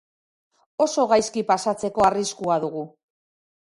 Oso gaizki pasatzeko arriskua dugu.